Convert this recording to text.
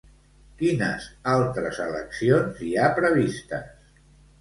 Quines altres eleccions hi ha previstes?